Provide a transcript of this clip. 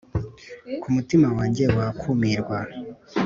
kumutima wanjye wakumirwa